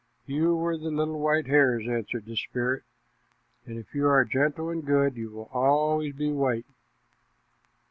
"You were the little white hares," answered the spirit, "and if you are gentle and good, you will always be white."